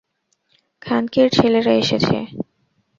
খানকির ছেলেরা এসেছে!